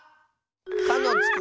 「か」のつく